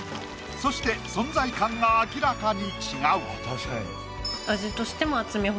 そして存在感が明らかに違う。